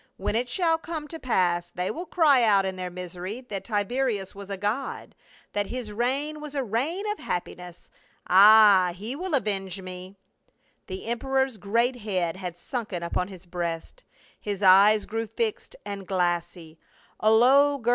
When it shall come to pass they will cry out in their misery that Tiberius was a god, that his reign was a reign of happiness. Ay — he will avenge me." The emperor's great head had sunken upon his breast, his eyes grew fixed and glassy, a low gurghng * Caligula signifies " a little shoe," or " bootling."